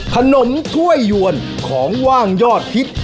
ขนมถ้วยย่วนของว่างยอดพิษ